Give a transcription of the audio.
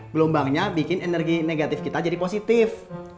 gelombangnya bikin energi negatif kita jadi positif